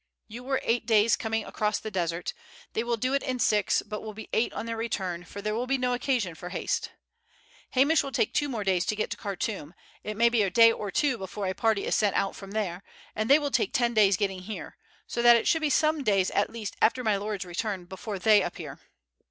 You were eight days coming across the desert. They will do it in six but will be eight on their return, for there will be no occasion for haste. Hamish will take two more days to get to Khartoum; it may be a day or two before a party is sent out from there, and they will take ten days getting here, so that it should be some days at least after my lord's return before they appear."